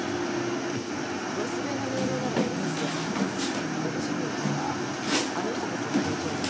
ボス弁の命令ならやりますがわたしにはあの人たちの気持ちは理解できません。